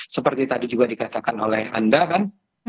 seperti tadi juga dikatakan oleh anda kan